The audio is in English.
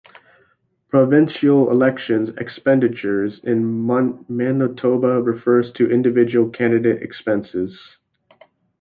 Provincial election expenditures in Manitoba refer to individual candidate expenses.